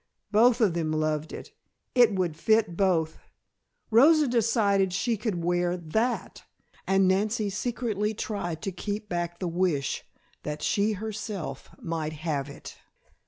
Both of them loved it, it would fit both. Rosa decided she could wear that, and Nancy secretly tried to keep back the wish that she herself might have it.